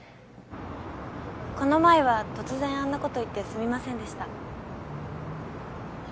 この前は突然あんなこと言ってすみませんでした。